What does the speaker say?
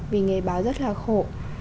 vì nghề báo rất là khổ